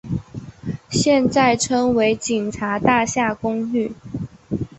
现在称为警察大厦公寓。